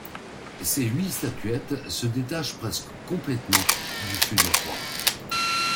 Ces huit statuettes se détachent presque complètement du fût de la croix.